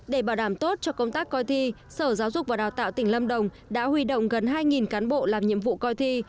để bảo đảm tốt cho công tác coi thi sở giáo dục và đào tạo tỉnh lâm đồng đã huy động gần hai cán bộ làm nhiệm vụ coi thi